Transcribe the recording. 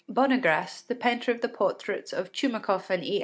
Bonnegr√¢ce, the painter of the portraits of Tchoumakoff and E.